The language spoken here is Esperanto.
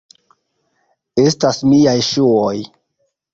Estas miaj ŝuoj!